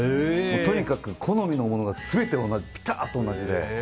とにかく好みのものがピタッと同じで。